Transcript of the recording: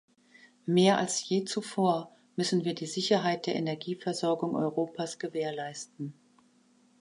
Mehr als je zuvor müssen wir die Sicherheit der Energieversorgung Europas gewährleisten.